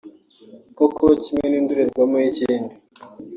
kuko kimwe ni indorerwamo y’ikindi